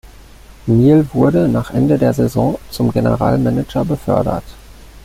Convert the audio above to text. Neale wurde nach Ende der Saison zum General Manager befördert.